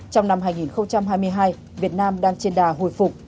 trong năm hai nghìn hai mươi hai việt nam đang trên đà hồi phục